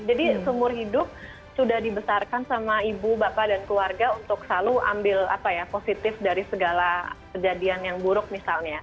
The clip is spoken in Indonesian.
jadi seumur hidup sudah dibesarkan sama ibu bapak dan keluarga untuk selalu ambil apa ya positif dari segala kejadian yang buruk misalnya